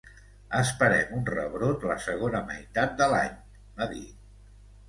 “Esperem un rebrot la segona meitat de l’any”, va dir.